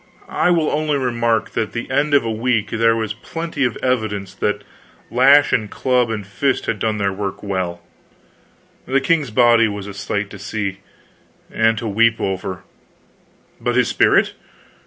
I will only remark that at the end of a week there was plenty of evidence that lash and club and fist had done their work well; the king's body was a sight to see and to weep over; but his spirit?